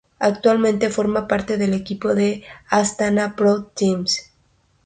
Actualmente forma parte del equipo Astana Pro Team.